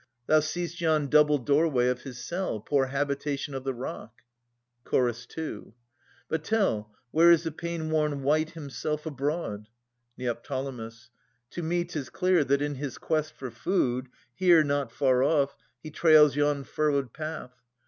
Thou seest yon double doorway of his cell, Poor habitation of the rock. Ch. 2. But tell Where is the pain worn wight himself abroad ? Neo. To me 'tis clear, that, in his quest for food, Here, not far off, he trails yon furrowed path.